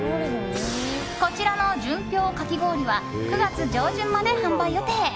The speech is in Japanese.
こちらの純氷かき氷は９月上旬まで販売予定。